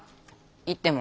行っても。